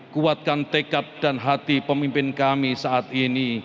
kuatkan tekad dan hati pemimpin kami saat ini